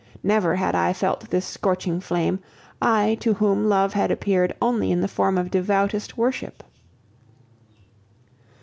Never had I felt this scorching flame, I to whom love had appeared only in the form of devoutest worship.